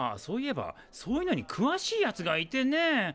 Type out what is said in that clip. そういえばそういうのにくわしいやつがいてね。